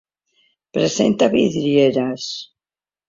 Presenta vidrieres.